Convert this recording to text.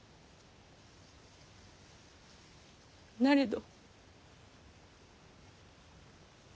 なれど。